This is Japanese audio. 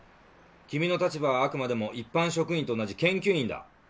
君の立場はあくまでも一般職員と同じ研究員だ。